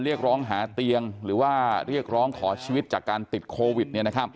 เรียกร้องหาเตียงหรือว่าเรียกร้องขอชีวิตจากการติดโควิด